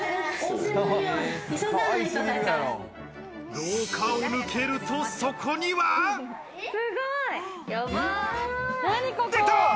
廊下を抜けると、そこには。出た！